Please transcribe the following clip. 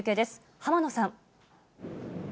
浜野さん。